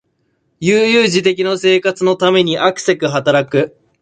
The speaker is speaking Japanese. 悠々自適の生活のためにあくせく働く